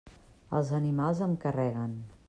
Els animals em carreguen.